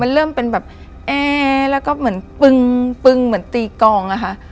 มันเริ่มเป็นแบบแอแล้วก็เหมือนปึงปึงเหมือนตีกองอะค่ะ